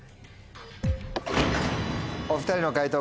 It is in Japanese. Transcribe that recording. お２人の解答